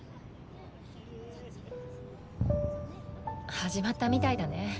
始まったみたいだね。